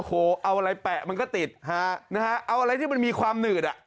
โอ้โฮเอาอะไรแปะมันก็ติดเอาอะไรที่มันมีความหนืด